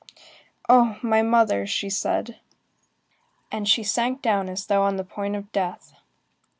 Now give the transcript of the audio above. "Oh! my mother!" said she. And she sank down as though on the point of death.